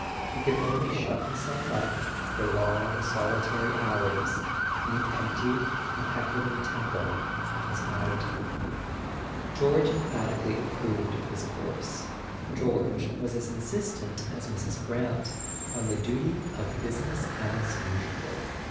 He could only shut himself up, for long solitary hours, in the empty and echoing temple of his art. George emphatically approved of his course: George [ 373 ] A SON AT THE FRONT was as insistent as Mrs. Brant on the duty of "busi¬ ness as usual."